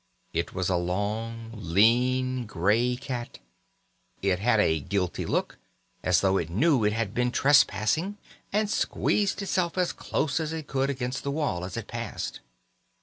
It was a long, lean, grey cat. It had a guilty look, as though it knew it had been trespassing, and squeezed itself as close as it could against the wall as it passed.